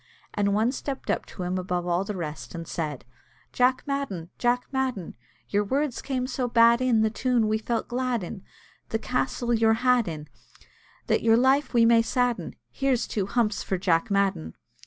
and one stepped up to him above all the rest, and said "Jack Madden! Jack Madden! Your words came so bad in The tune we felt glad in; This castle you're had in, That your life we may sadden; Here's two humps for Jack Madden!"